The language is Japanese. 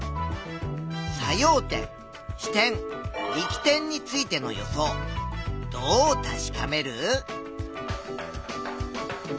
作用点支点力点についての予想どう確かめる？